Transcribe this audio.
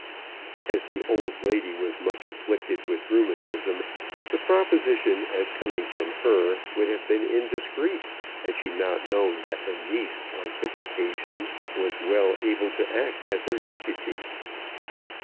As the old lady was much afflicted with rheumatism, the proposition as coming from her would have been indiscreet had she not known that her niece on such occasions was well able to act as her deputy.